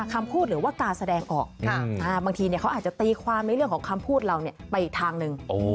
คำพูดหรือว่าการแสดงออกบางทีเขาอาจจะตีความในเรื่องของคำพูดเราไปอีกทางหนึ่ง